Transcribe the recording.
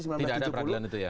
tidak ada peradilan itu ya